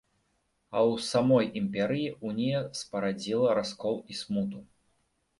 А ў самой імперыі унія спарадзіла раскол і смуту.